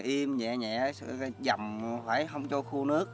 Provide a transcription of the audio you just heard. im nhẹ nhàng dầm phải không cho khô nước